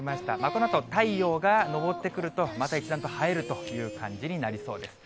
このあと太陽が昇ってくると、また一段と映えるという感じになりそうです。